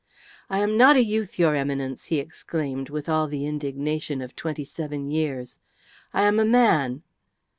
"I am not a youth, your Eminence," he exclaimed with all the indignation of twenty seven years. "I am a man."